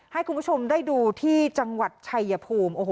ให้คุณผู้ชมได้ดูที่จังหวัดชัยภูมิ